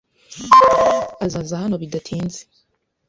Azaza hano bidatinze.